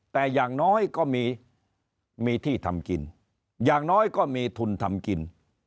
แต่อย่างน้อยก็มีมีที่ทำกินอย่างน้อยก็มีทุนทำกิน